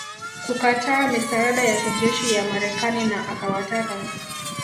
kukataa misaada ya kijeshi ya Marekani na akawataka